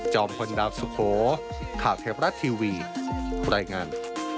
จอมคนดามสุโขข้าวเทพรัสทีวีปรายงาน